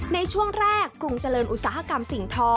ในช่วงแรกกรุงเจริญอุตสาหกรรมสิ่งทอ